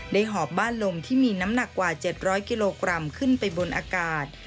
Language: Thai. หอบบ้านลมที่มีน้ำหนักกว่า๗๐๐กิโลกรัมขึ้นไปบนอากาศ